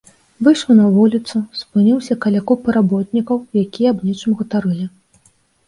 Выйшаў на вуліцу, спыніўся каля купы работнікаў, якія аб нечым гутарылі.